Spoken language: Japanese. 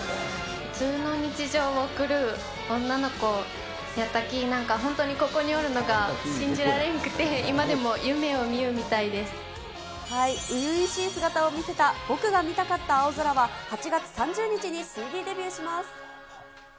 普通の日常を送る女の子やったき、なんか本当にここにおるのが信じられんくて、今でも夢を見初々しい姿を見せた僕が見たかった青空は、８月３０日にＣＤデビューします。